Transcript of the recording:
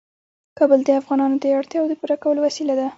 کابل د افغانانو د اړتیاوو د پوره کولو وسیله ده.